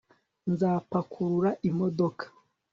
nzapakurura imodoka